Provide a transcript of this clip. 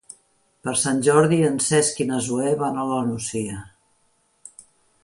Per Sant Jordi en Cesc i na Zoè van a la Nucia.